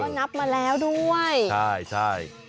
ก็นับมาแล้วด้วยใช่